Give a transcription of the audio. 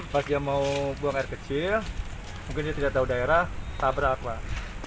pas dia mau buang air kecil mungkin dia tidak tahu daerah tabrak pak